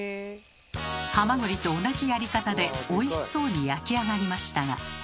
ハマグリと同じやり方でおいしそうに焼き上がりましたが。